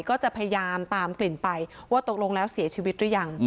ก็จะพยายามตามกลิ่นไปว่าตกลงแล้วเสียชีวิตหรือยัง